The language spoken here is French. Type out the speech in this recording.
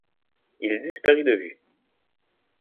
Il disparut de vue.